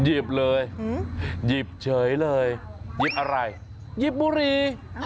หยิบเลยหยิบเฉยเลยหยิบอะไรหยิบบุรี